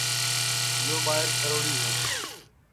یو ٻائیر کھروڑِی ہے